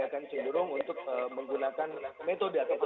dia akan cenderung untuk menggunakan metode atau fasilitasi yang lain